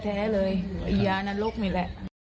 ไอ้ยานั้นลกไม่แล้ว